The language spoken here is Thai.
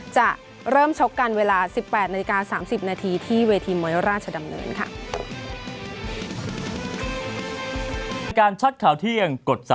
จะเริ่มชกกันเวลา๑๘นาฬิกา๓๐นาทีที่เวทีมวยราชดำเนินค่ะ